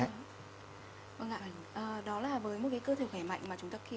đó là với một cái cơ thể khỏe mạnh